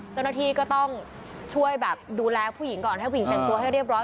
เจ้าหน้าที่ก็ต้องช่วยแบบดูแลผู้หญิงก่อนให้ผู้หญิงแต่งตัวให้เรียบร้อย